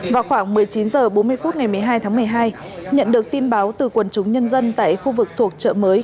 vào khoảng một mươi chín h bốn mươi phút ngày một mươi hai tháng một mươi hai nhận được tin báo từ quần chúng nhân dân tại khu vực thuộc chợ mới